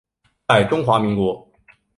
在中华民国。